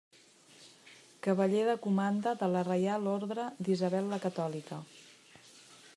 Cavaller de Comanda de la Reial Orde d'Isabel la Catòlica.